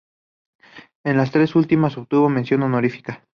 En las tres últimas obtuvo mención honorífica.